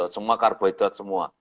semua karbohidrat semua